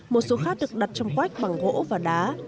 một số khác được đặt trong quách bằng gỗ và đá